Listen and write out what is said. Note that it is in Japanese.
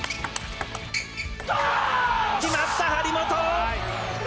決まった、張本。